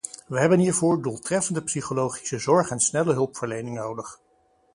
We hebben hiervoor doeltreffende psychologische zorg en snelle hulpverlening nodig.